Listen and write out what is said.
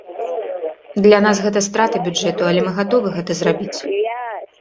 Для нас гэта страты бюджэту, але мы гатовы гэта зрабіць.